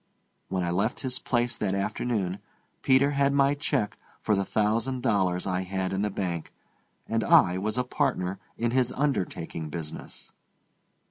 When I left his place that afternoon Peter had my check for the thousand dollars I had in the bank, and I was a partner in his undertaking business.